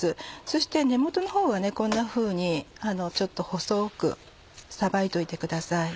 そして根元のほうはこんなふうにちょっと細くさばいておいてください。